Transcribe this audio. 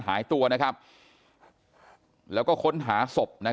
กลุ่มตัวเชียงใหม่